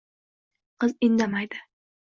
Qiz indamaydi